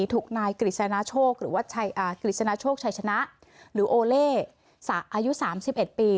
ถูกนายกริจนาโชคชัยชนะหรือโอเล่อายุ๓๑ปี